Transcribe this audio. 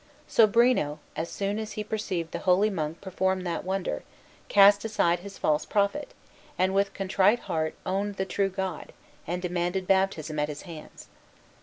Sobrino, as soon as he perceived the holy monk perform that wonder, cast aside his false prophet, and with contrite heart owned the true God, and demanded baptism at his hands.